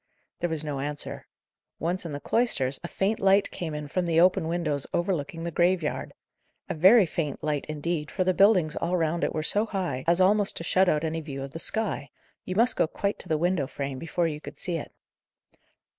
There was no answer. Once in the cloisters, a faint light came in from the open windows overlooking the graveyard. A very faint light, indeed, for the buildings all round it were so high, as almost to shut out any view of the sky: you must go quite to the window frame before you could see it.